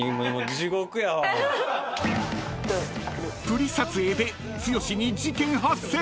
［プリ撮影で剛に事件発生⁉］